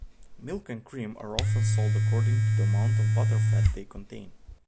Milk and cream are often sold according to the amount of butterfat they contain.